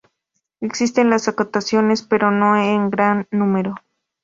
Existen las acotaciones, pero no en gran número.